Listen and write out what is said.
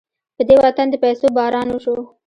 په دې وطن د پيسو باران وشو.